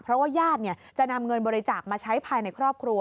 เพราะว่าญาติจะนำเงินบริจาคมาใช้ภายในครอบครัว